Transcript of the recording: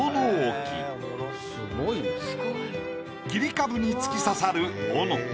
切り株に突き刺さる斧。